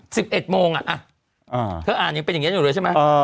สิบเอ็ดโมงอ่ะอ่าเธออ่านยังเป็นอย่างเงี้อยู่เลยใช่ไหมเออ